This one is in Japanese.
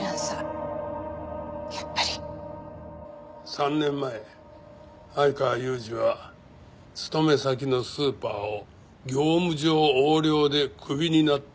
３年前相川裕治は勤め先のスーパーを業務上横領でクビになった。